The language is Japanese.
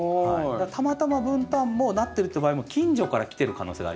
たまたまブンタンもなってるっていう場合も近所から来てる可能性がありますね